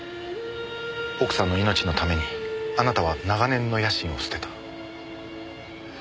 奥さんの命のためにあなたは長年の野心を捨てた。